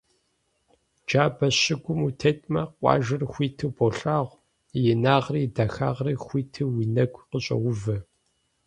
Джабэ щыгум утетмэ, къуажэр хуиту болъагъу, и инагъри и дахагъри хуиту уи нэгу къыщӀоувэ.